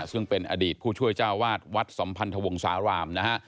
ซึ่งเป็นอดีตผู้ช่วยเจ้าวาดวัดสัมพันธวงศาลามนะฮะ